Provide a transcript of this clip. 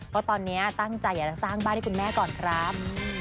เพราะตอนนี้ตั้งใจอยากจะสร้างบ้านให้คุณแม่ก่อนครับ